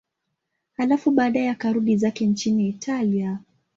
Halafu baadaye akarudi zake nchini Italia.